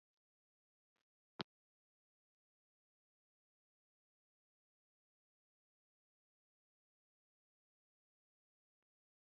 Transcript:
Chiang Ching kuo এর মাতা, ঐতিহাসিকভাবে চিয়াং পরিবারের "সাংহাই মাদার" নামে পরিচিত, তাদের সাথে গিয়েছিলেন।